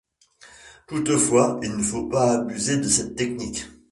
Toutefois, il ne faut pas abuser de cette technique.